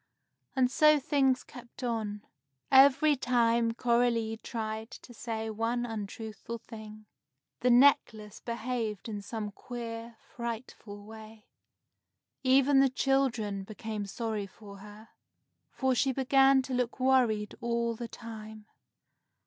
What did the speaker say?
And so things kept on. Every time Coralie tried to say one untruthful thing, the necklace behaved in some queer, frightful way. Even the children became sorry for her, for she began to look worried all the time.